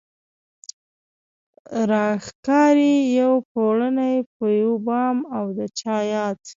راښکاري يو پړونی په يو بام او د چا ياد